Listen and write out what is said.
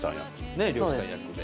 ねえ漁師さん役で。